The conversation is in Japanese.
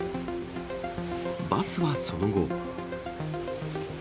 バスはその後。